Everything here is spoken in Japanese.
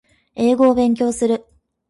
英語を勉強する